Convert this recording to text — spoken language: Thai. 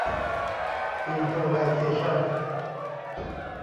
อิมโพรไวเซชั่น